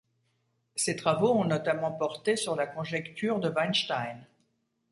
Ses travaux ont notamment porté sur la conjecture de Weinstein.